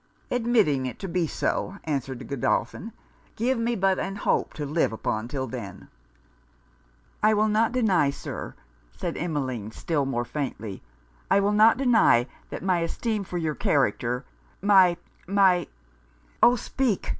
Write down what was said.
'Admitting it to be so,' answered Godolphin, 'give me but an hope to live upon till then!' 'I will not deny, Sir,' said Emmeline still more faintly, 'I will not deny that my esteem for your character my my' 'Oh! speak!'